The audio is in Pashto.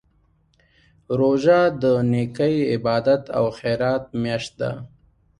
روژه د نېکۍ، عبادت او خیرات میاشت ده.